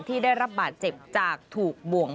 ที่ได้รับบาดเจ็บจากถูกบ่วง